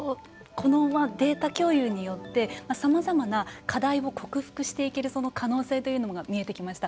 このデータ共有によってさまざまな課題を克服していける可能性というのが見えてきました。